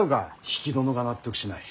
比企殿が納得しない。